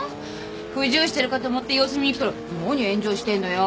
不自由してるかと思って様子見に来たら何エンジョイしてんのよ！？